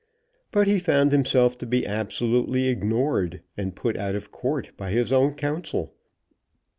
But he found himself to be absolutely ignored and put out of court by his own counsel.